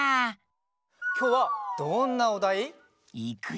きょうはどんなおだい？いくよ！